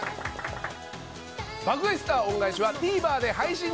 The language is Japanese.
『爆買い☆スター恩返し』はＴＶｅｒで配信中。